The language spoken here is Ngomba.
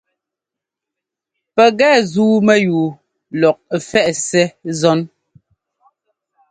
Pɛkɛ zúu mɛyúu lɔk ɛ́fɛꞌ Ssɛ́ zɔ́n.